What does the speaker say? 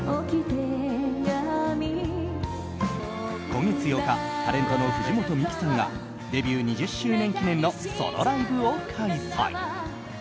今月８日タレントの藤本美貴さんがデビュー２０周年記念のソロライブを開催。